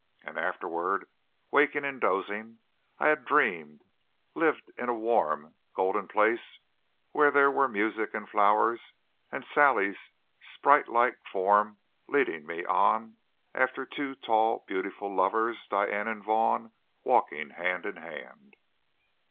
And afterward, waking and dozing, I had dreamed, lived in a warm, golden place where there were music and flowers and Sally's spritelike form leading me on after two tall, beautiful lovers, Diane and Vaughn, walking hand in hand.